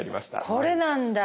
これなんだ。